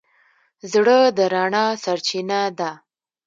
زړه د رڼا سرچینه ده.